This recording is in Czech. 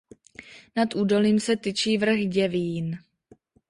Nad údolím se tyčí vrch Děvín.